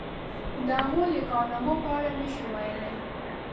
د هغوی د کارنامو په اړه نشي ویلای.